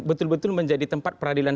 betul betul menjadi tempat peradilan